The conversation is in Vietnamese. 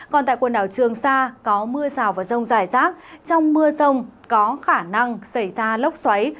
còn tại quần đảo trường sa có mưa rào và rông dài rác trong mưa rông có khả năng xảy ra lốc xoáy